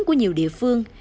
của nhiều địa phương